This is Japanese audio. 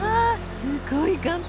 すごい岩壁。